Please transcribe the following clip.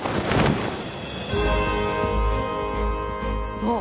そう！